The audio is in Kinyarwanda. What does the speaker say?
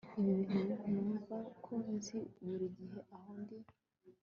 ibi bituma numva ko nzi buri gihe aho ndi